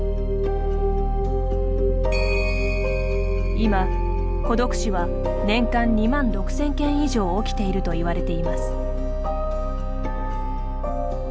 今、孤独死は年間２万６０００件以上起きているといわれています。